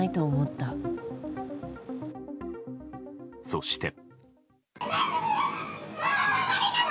そして。